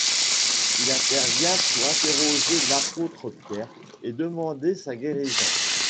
Il intervient pour interroger l'apôtre Pierre et demander sa guérison.